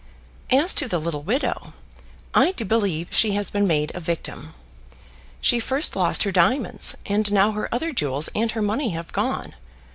As to the little widow, I do believe she has been made a victim. She first lost her diamonds, and now her other jewels and her money have gone.